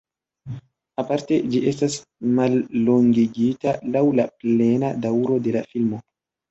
Aparte ĝi estas mallongigita laŭ la plena daŭro de la filmo.